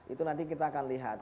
itu nanti kita akan lihat